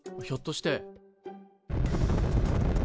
ひょっとして。